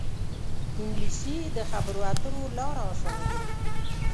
انګلیسي د خبرو اترو لاره اسانه کوي